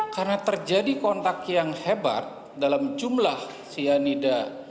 karena terjadi kontak yang hebat dalam jumlah cyanida